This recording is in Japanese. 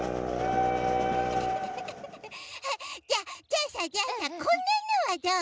じゃあじゃあさじゃあさこんなのはどう？